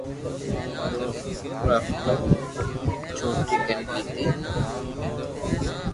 پورو حفتہ ڇوتي ڪري ليتو